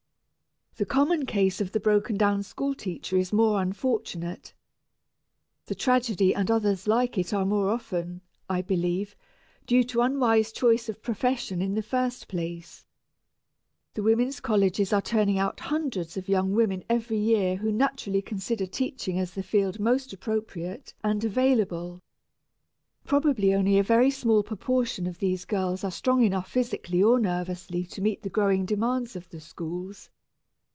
The common case of the broken down school teacher is more unfortunate. This tragedy and others like it are more often, I believe, due to unwise choice of profession in the first place. The women's colleges are turning out hundreds of young women every year who naturally consider teaching as the field most appropriate and available. Probably only a very small proportion of these girls are strong enough physically or nervously to meet the growing demands of the schools.